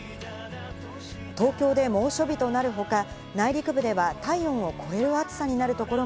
東京で猛暑日となる他、内陸部では体温を超える暑さになるところ